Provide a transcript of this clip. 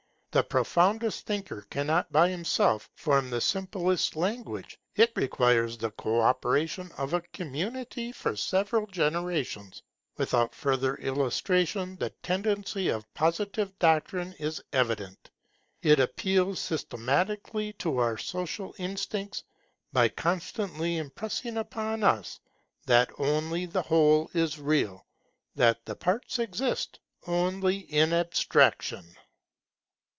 The profoundest thinker cannot by himself form the simplest language; it requires the co operation of a community for several generations. Without further illustration, the tendency of Positive doctrine is evident. It appeals systematically to our social instincts, by constantly impressing upon us that only the Whole is real; that the Parts exist only in abstraction.